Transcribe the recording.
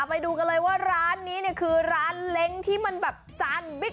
ไปดูกันเลยว่าร้านนี้เนี่ยคือร้านเล้งที่มันแบบจานบิ๊ก